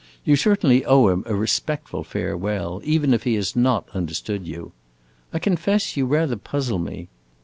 "You certainly owe him a respectful farewell, even if he has not understood you. I confess you rather puzzle me.